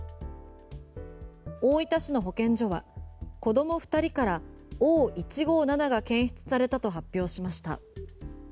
大分市の保健所は子供２人からＯ−１５７が検出されたと発表しました。